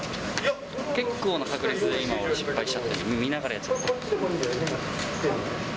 結構な確率で今、俺、失敗しちゃってる、見ながらやってる。